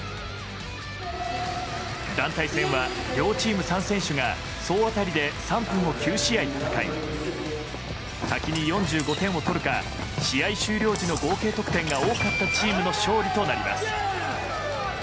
団体戦は両チーム３選手が総当たりで３分を９試合戦い先に４５点を取るか試合終了時の合計得点が多かったチームの勝利となります。